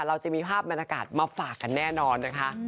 เราจะมีภาพบรรยากาศมาฝากกันแน่นอนนะคะ